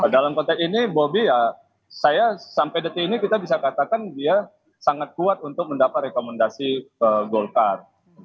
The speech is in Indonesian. dalam konteks ini bobi ya saya sampai detik ini kita bisa katakan dia sangat kuat untuk mendapat rekomendasi ke golkar